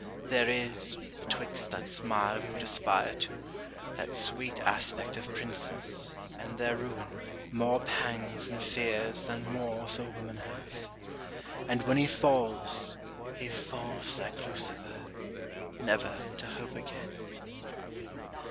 There is, betwixt that smile we would aspire to, That sweet aspect of princes, and their ruin, More pangs and fears than wars or women have: And when he falls, he falls like Lucifer, Never to hope again.